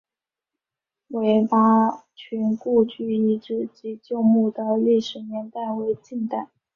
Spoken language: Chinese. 韦拔群故居遗址及旧墓的历史年代为近代。